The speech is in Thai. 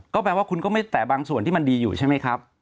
ก็แปลว่าคุณก็ไม่แต่บางส่วนที่มันดีอยู่ใช่ไหมครับ